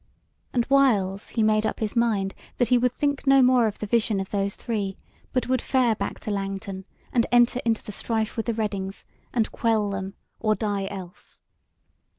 And whiles he made up his mind that he would think no more of the vision of those three, but would fare back to Langton, and enter into the strife with the Reddings and quell them, or die else.